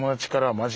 「マジ」？